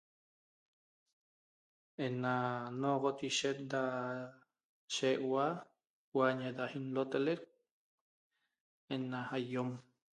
Ena noxot ishet da shiegueua uañe da inlotoleq ena aiom